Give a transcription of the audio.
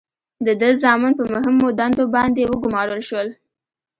د ده زامن په مهمو دندو باندې وګمارل شول.